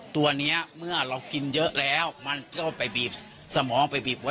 ตัวนี้เมื่อเรากินเยอะแล้วมันก็ไปบีบสมองไปบีบหัว